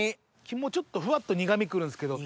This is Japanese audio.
肝ちょっとふわっと苦味来るんすけど。